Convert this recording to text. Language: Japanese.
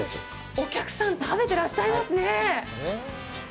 お客さん、食べていらっしゃいますね。